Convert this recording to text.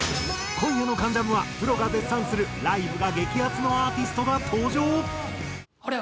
今夜の『関ジャム』はプロが絶賛するライブが激アツのアーティストが登場！